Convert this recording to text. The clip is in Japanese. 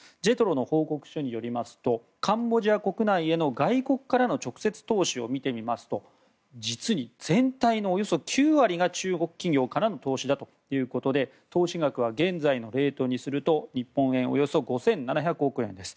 ＪＥＴＲＯの報告書によりますとカンボジア国内への外国からの直接投資を見てみますと実に、全体のおよそ９割が中国企業からの投資だということで、投資額は現在のレートにすると日本円およそ５７００億円です。